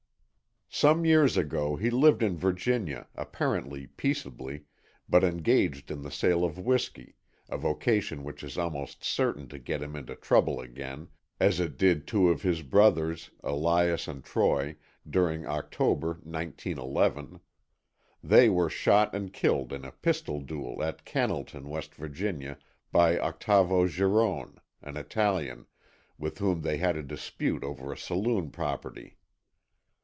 Some years ago he lived in Virginia, apparently peaceably, but engaged in the sale of whiskey, a vocation which is almost certain to get him into trouble again, as it did two of his brothers, Elias and Troy, during October, 1911. They were shot and killed in a pistol duel at Cannelton, W. Va., by Octavo Gerone, an Italian, with whom they had a dispute over saloon property.